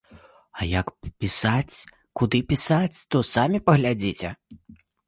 А як пісаць, куды пісаць, то самі паглядзіце.